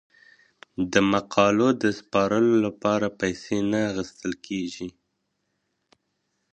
د مقالو د سپارلو لپاره پیسې نه اخیستل کیږي.